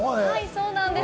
そうなんです。